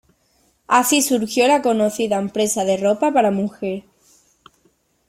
Así surgió la conocida empresa de ropa para mujer.